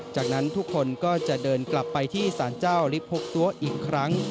จากนั้นทุกคนก็จะเดินกลับไปที่สารเจ้าลิฟต์๖ตัวอีกครั้ง